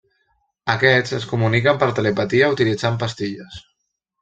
Aquests es comuniquen per telepatia utilitzant pastilles.